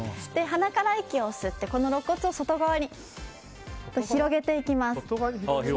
鼻から息を吸ってこのろっ骨を外側に広げていきます。